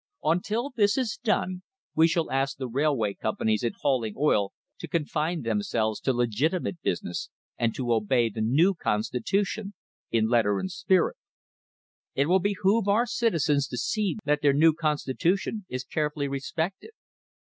Until this shall be done we shall ask the railway companies in hauling oil to confine themselves to legitimate business, and to obey the new consti tution, in letter and spirit. It will behoove our citizens to see that their new constitu tion is carefully respected.